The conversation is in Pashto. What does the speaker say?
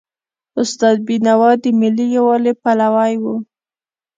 استاد بینوا د ملي یووالي پلوی و.